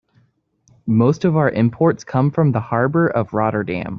Most of our imports come from the harbor of Rotterdam.